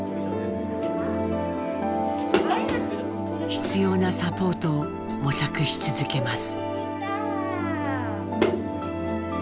必要なサポートを模索し続けます。